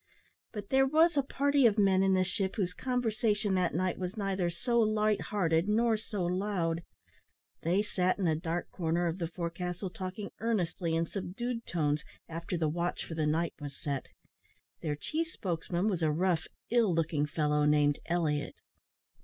But there was a party of men in the ship whose conversation that night was neither so light hearted nor so loud. They sat in a dark corner of the forecastle talking earnestly in subdued tones after the watch for the night was set. Their chief spokesman was a rough, ill looking fellow, named Elliot.